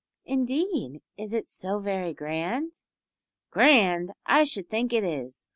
"Indeed is it so very grand?" "Grand! I should think it is.